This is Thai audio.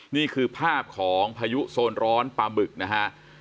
นี่คือภาพของพายุโซนร้อนปลาบึกนะฮะ